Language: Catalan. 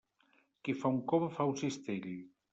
Qui fa un cove fa un cistell.